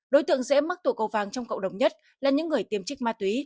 đối tượng dễ mắc tổ cầu vàng trong cộng đồng nhất là những người tiêm trích ma túy